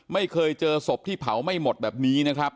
ไม่เคยเจอศพที่เผาไม่หมดแบบนี้นะครับ